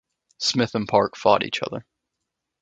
Smith and Park fought each other.